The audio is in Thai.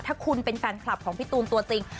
ถ้าคุณเป็นแฟนคลับของพี่ตูนตัวจริง